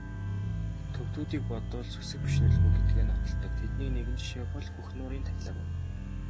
Төвөдүүдийг бодвол сүсэг бишрэлгүй гэдгээ нотолдог тэдний нэгэн жишээ бол Хөх нуурын тахилга юм.